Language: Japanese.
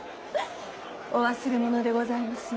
お忘れ物でございますよ。